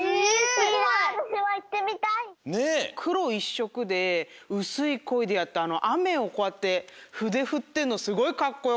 しょくでうすいこいでやったあのあめをこうやってふでふってるのすごいかっこよかった！